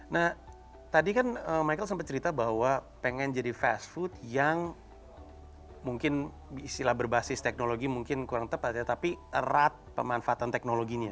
nah tadi kan michael sempat cerita bahwa pengen jadi fast food yang mungkin istilah berbasis teknologi mungkin kurang tepat ya tapi erat pemanfaatan teknologinya